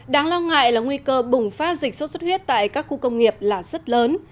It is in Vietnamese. đáng lo ngại là nguy cơ bùng phát dịch sốt xuất huyết tại các khu công nghiệp là rất lớn